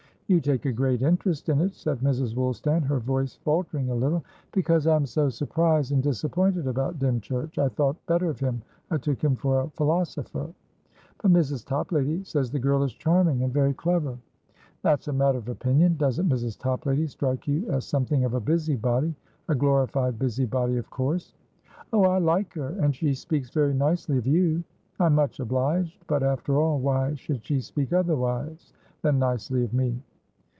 "You take a great interest in it," said Mrs. Woolstan, her voice faltering a little. "Because I am so surprised and disappointed about Dymchurch. I thought better of him. I took him for a philosopher." "But Mrs. Toplady says the girl is charming, and very clever." "That's a matter of opinion. Doesn't Mrs. Toplady strike you as something of a busybodya glorified busybody, of course?" "Oh, I like her! And she speaks very nicely of you." "I'm much obliged. But, after all, why should she speak otherwise than nicely of me?"